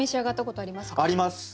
あります！